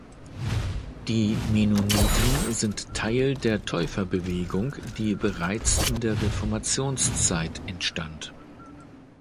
Die Mennoniten sind Teil der Täuferbewegung, die bereits in der Reformationszeit entstand.